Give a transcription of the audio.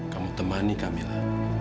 kamu temani kamilah